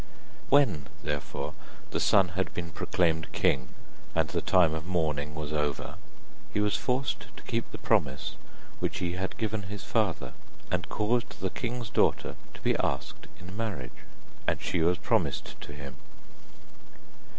When therefore the son had been proclaimed king, and the time of mourning was over, he was forced to keep the promise which he had given his father, and caused the king's daughter to be asked in marriage, and she was promised to him.